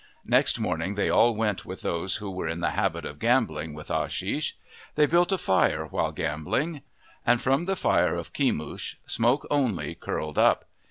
Next morning they all went with those who were in the habit of gambling with Ashish. They built a fire while gambling. And from the fire of Kemush smoke only curled up.